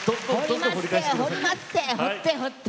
掘りまっせ掘りまっせ掘って掘って。